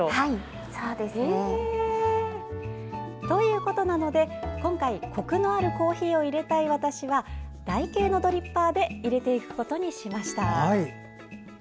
ということなので今回コクのあるコーヒーをいれたい私は台形のドリッパーでいれていくことにしました。